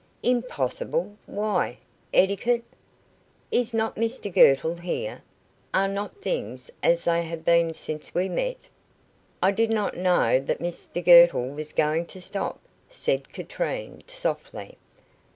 "Impossible! Why? Etiquette? Is not Mr Girtle here? Are not things as they have been since we met?" "I did not know that Mr Girtle was going to stop?" said Katrine, softly.